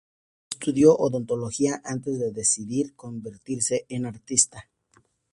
Estudió odontología, antes de decidir convertirse en artista.